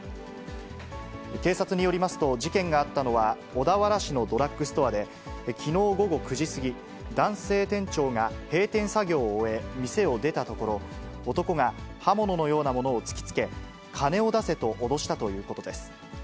警察によりますと、事件があったのは小田原市のドラッグストアで、きのう午後９時過ぎ、男性店長が閉店作業を終え、店を出たところ、男が刃物のようなものを突きつけ、金を出せと脅したということです。